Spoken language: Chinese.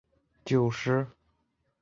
蒂亚格拉贾最著名的五首曲上演奏。